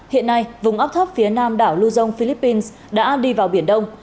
hiện nay vùng áp thấp phía nam đảo luzon philippines đã đi vào biển đông